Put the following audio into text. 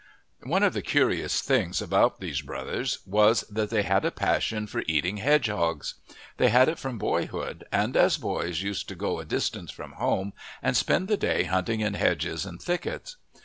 One of the curious things about these brothers was that they had a passion for eating hedgehogs. They had it from boyhood, and as boys used to go a distance from home and spend the day hunting in hedges and thickets.